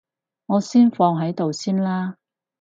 我放喺度先啦